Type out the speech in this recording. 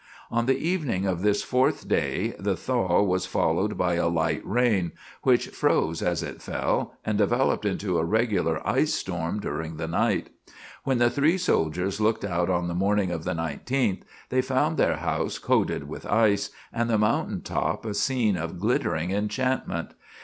On the evening of this fourth day the thaw was followed by a light rain, which froze as it fell, and developed into a regular ice storm during the night. When the three soldiers looked out on the morning of the 19th, they found their house coated with ice, and the mountain top a scene of glittering enchantment.